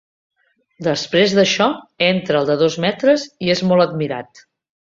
Després d'això, entra el de dos metres i és molt admirat.